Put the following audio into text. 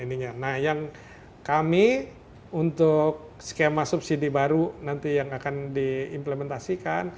nah yang kami untuk skema subsidi baru nanti yang akan diimplementasikan